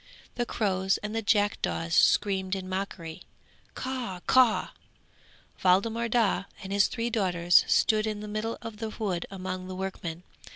The crows and the jackdaws screamed in mockery, Caw! caw! Waldemar Daa and his three daughters stood in the middle of the wood among the workmen.